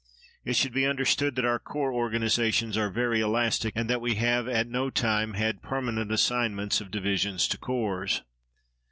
It should be understood that our corps organizations are very elastic, and that we have at no time had permanent assignments of divisions to corps.